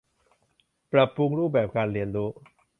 ปรับปรุงรูปแบบการเรียนรู้